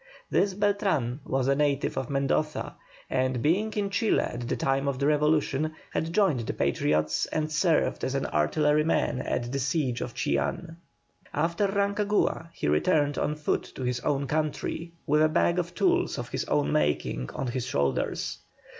This Beltran was a native of Mendoza, and being in Chile at the time of the revolution had joined the Patriots and served as an artilleryman at the siege of Chillán. After Rancagua he returned on foot to his own country, with a bag of tools of his own making on his shoulders.